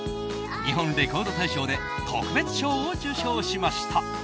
日本レコード大賞で特別賞を受賞しました。